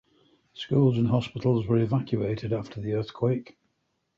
Schools and hospitals were evacuated after the earthquake.